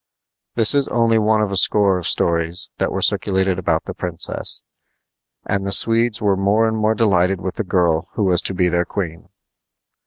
This is only one of a score of stories that were circulated about the princess, and the Swedes were more and more delighted with the girl who was to be their queen.